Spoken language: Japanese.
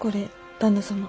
旦那様。